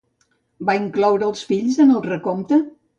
Va incloure els fills en el recompte?